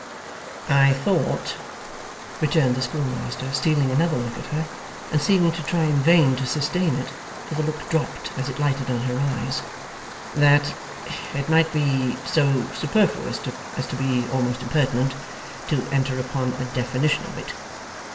'I thought,' returned the schoolmaster, stealing another look at her, and seeming to try in vain to sustain it; for the look dropped as it lighted on her eyes, 'that it might be so superfluous as to be almost impertinent, to enter upon a definition of it.